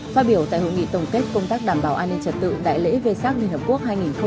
phát biểu tại hội nghị tổng kết công tác đảm bảo an ninh trật tự đại lễ vê sát liên hợp quốc hai nghìn một mươi chín